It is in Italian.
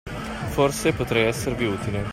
Forse, potrei esservi utile.